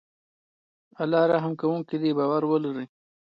الله رحم کوونکی دی باور ولری